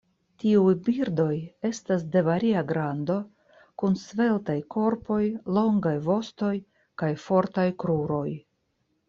Tiuj birdoj estas de varia grando kun sveltaj korpoj, longaj vostoj kaj fortaj kruroj.